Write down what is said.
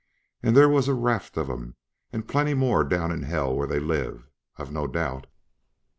And there was a raft of 'em; and plenty more down in hell where they live, I've no doubt."